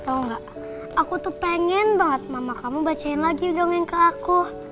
kalau enggak aku tuh pengen banget mama kamu bacain lagi dongeng ke aku